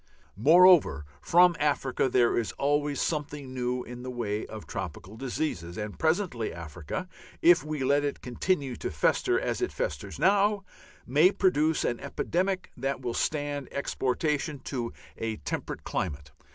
Moreover, from Africa there is always something new in the way of tropical diseases, and presently Africa, if we let it continue to fester as it festers now, may produce an epidemic that will stand exportation to a temperate climate.